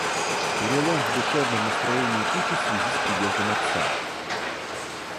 Перелом в душевном настроении Кити в связи с приездом отца.